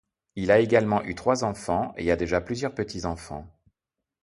Il a également eu trois enfants et a déjà plusieurs petits-enfants.